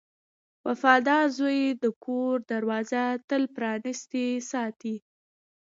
• وفادار زوی د کور دروازه تل پرانستې ساتي.